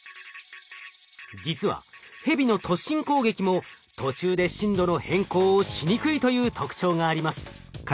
実はヘビの突進攻撃も途中で進路の変更をしにくいという特徴があります。